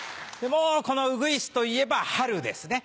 もうこのウグイスといえば春ですね。